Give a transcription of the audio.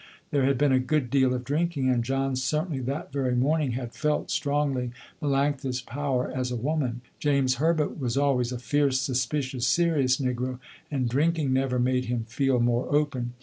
There had been a good deal of drinking and John certainly that very morning had felt strongly Melanctha's power as a woman. James Herbert was always a fierce, suspicious, serious negro, and drinking never made him feel more open.